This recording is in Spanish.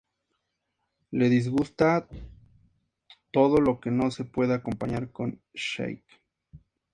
Le disgusta: Todo lo que no se pueda acompañar con Sake.